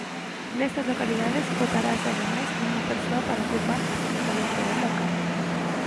Nestas localidades votarase ademais unha persoa para ocupar a Secretaría Xeral local.